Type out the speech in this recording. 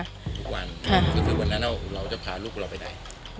ทุกวันนั้นเราจะพาลูกเราไปไหน